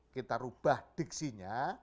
kita rubah diksinya